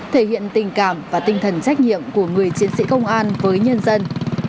thể hiện tình cảm và tinh thần trách nhiệm của người chiến sĩ công an với nhân dân